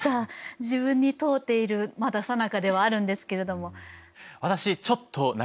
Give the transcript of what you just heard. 自分に問うているまださなかではあるんですけれども。